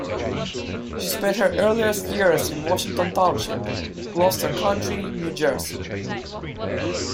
She spent her earliest years in Washington Township, Gloucester County, New Jersey.